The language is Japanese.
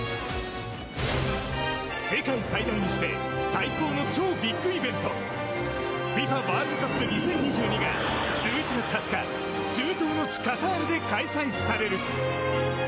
世界最大にして最高の超ビッグイベントＦＩＦＡワールドカップ２０２２が１１月２０日中東の地、カタールで開催される。